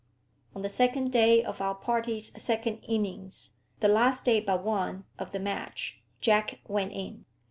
On the second day of our party's second innings, the last day but one of the match, Jack went in.